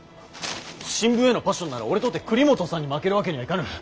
新聞へのパッションなら俺とて栗本さんに負けるわけにはいかぬ。